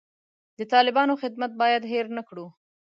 د طالبانو خدمت باید هیر نه کړو.